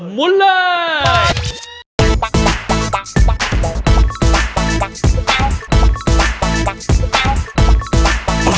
มุนเลย